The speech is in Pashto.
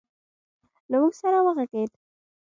له موږ سره وغږېد